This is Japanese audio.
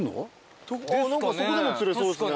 何かそこでも釣れそうですね